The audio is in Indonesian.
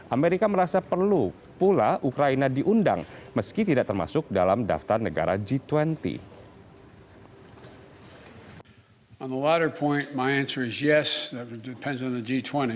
amerika merasa perlu pula ukraina diundang meski tidak termasuk dalam daftar negara g dua puluh